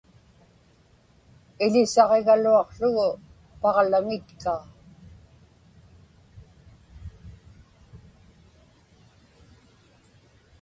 Iḷisaġigaluaqługu paġlaŋitkaa.